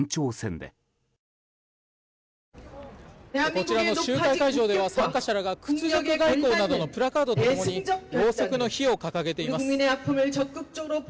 こちらの集会会場では参加者らが屈辱的だなどのプラカードと共にろうそくの火を掲げています。